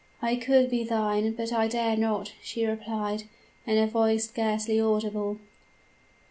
"'I could be thine, but I dare not,' she replied, in a voice scarcely audible.